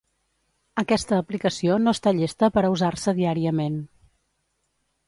Aquesta aplicació no està llesta per a usar-se diàriament.